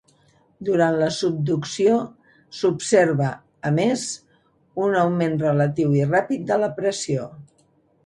Durant la subducció s'observa, a més, un augment relatiu i ràpid de la pressió.